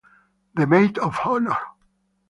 The Maid of Honor